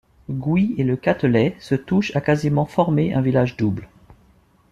Gouy et Le Catelet se touchent à quasiment former un village double.